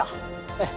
ええ。